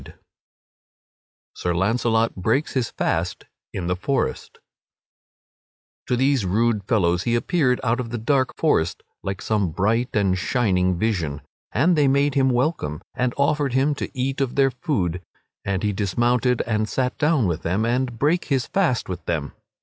[Sidenote: Sir Launcelot breaks his fast in the forest] To these rude fellows he appeared out of the dark forest like some bright and shining vision; and they made him welcome and offered him to eat of their food, and he dismounted and sat down with them and brake his fast with them.